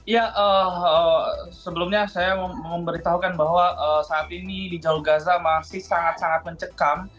ya sebelumnya saya memberitahukan bahwa saat ini di jalur gaza masih sangat sangat mencekam